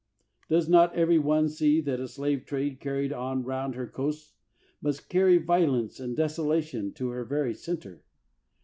Does not every one see that a slave trade carried on around her coasts must carry violence and desolation to her very center?